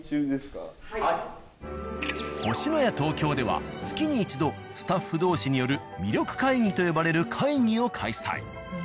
「星のや東京」では月に一度スタッフ同士による魅力会議と呼ばれる会議を開催。